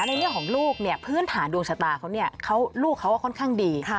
ในเรื่องของลูกเนี่ยพื้นฐานดวงชะตาเขาเนี่ยลูกเขาค่อนข้างดี